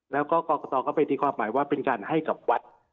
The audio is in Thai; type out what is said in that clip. แล้วก็กรกตก็ไปตีความหมายว่าเป็นการให้กับวัด